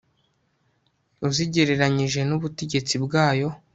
uzigereranyije n ubutegetsi bwayo